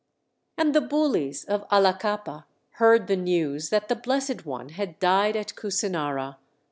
And the Bulis of Allakappa heard the news that the Blessed One had died at Kusinara.